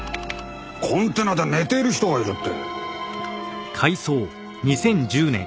コンテナで寝ている人がいるって。